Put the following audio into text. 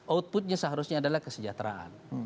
outputnya seharusnya adalah kesejahteraan